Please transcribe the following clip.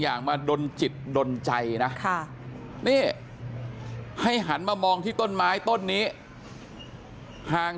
อย่างมาดนจิตดนใจนะนี่ให้หันมามองที่ต้นไม้ต้นนี้ห่าง